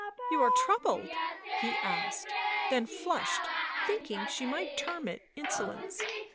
"You are troubled?" he asked, then flushed, thinking she might term it insolence.